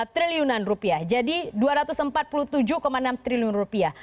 tiga triliunan rupiah jadi dua ratus empat puluh tujuh enam triliun rupiah